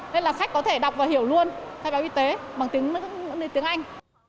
nên là khách có thể đọc và hiểu luôn khai báo y tế bằng tiếng anh